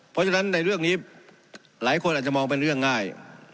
เพราะฉะนั้นในเรื่องนี้หลายคนอาจจะมองเป็นเรื่องง่าย